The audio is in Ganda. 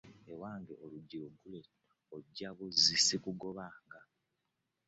Ewange oluggi luggule ojja buzzi ssikugobanga.